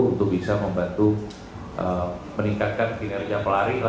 untuk bisa membantu meningkatkan kinerja pelari